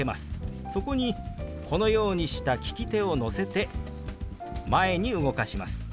そこにこのようにした利き手を乗せて前に動かします。